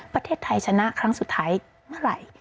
ประเทศไทยชนะครั้งสุดท้ายเมื่อไหร่